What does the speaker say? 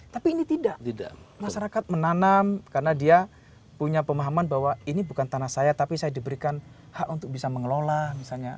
tapi ini tidak tidak masyarakat menanam karena dia punya pemahaman bahwa ini bukan tanah saya tapi saya diberikan hak untuk bisa mengelola misalnya